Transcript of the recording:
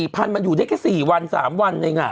๓๔พันมันอยู่ได้แค่๔วัน๓วันเนี่ยไง